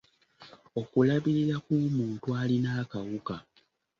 Okulabirira kw'omuntu alina akawuka.